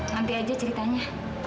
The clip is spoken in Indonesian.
nanti aja ceritanya